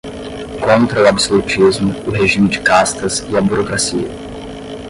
contra o absolutismo, o regime de castas e a burocracia